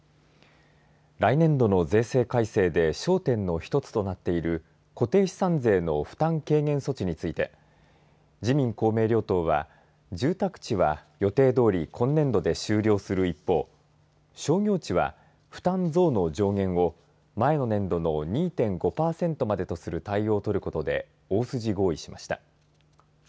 来年度の税制改正で焦点の１つとなっている固定資産税の負担軽減措置について自民・公明両党は住宅地は、予定どおり今年度で終了する一方商業地は負担増の上限を前の年度の２．５パーセントまでとする対応をとることで大筋合意しました。